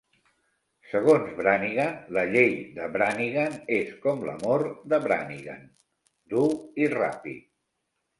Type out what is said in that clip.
Segons Brannigan, "la Llei de Brannigan és com l'amor de Brannigan: dur i ràpid".